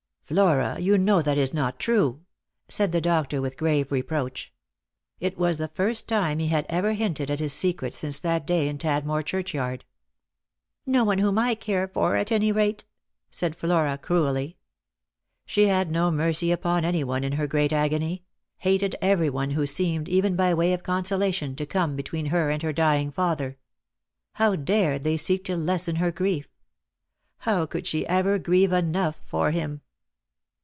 " Flora, you know that is not true," said the doctor with grave reproach. It was the first time he had ever hinted at his secret since that day in Tadmor churchyard. " No one whom I care for, at any rate," said Flora cruelly. She had no mercy upon any one in her great agony — hated every one who seemed, even by way of consolation, to come between her and her dying father. How dared they seek to lessen her grief? How could she ever grieve enough for him?